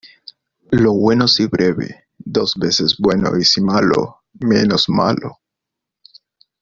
Lo bueno si breve, dos veces bueno y si malo, menos malo.